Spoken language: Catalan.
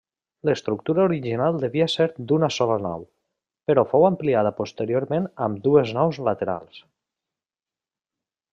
L'estructura original devia ser d'una sola nau, però fou ampliada posteriorment amb dues naus laterals.